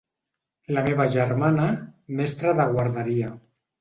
La meva germana, mestra de guarderia.